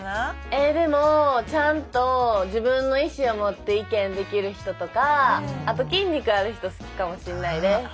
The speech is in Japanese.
えっでもちゃんと自分の意思を持って意見できる人とかあと筋肉ある人好きかもしんないです。